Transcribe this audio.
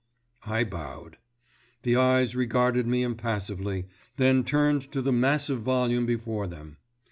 I bowed. The eyes regarded me impassively, then turned to the massive volume before them.